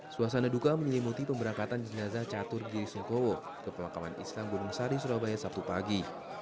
suasana duka menyelimuti pemberangkatan jenazah catur giri sungkowo ke pemakaman islam gunung sari surabaya sabtu pagi